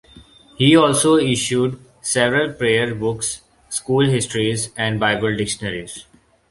He also issued several prayer books, school histories, and Bible dictionaries.